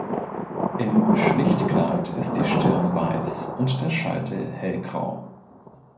Im Schlichtkleid ist die Stirn weiß und der Scheitel hellgrau.